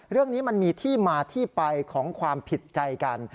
เรื่องนี้มันมีที่มาที่ไปของความผิดใจกัน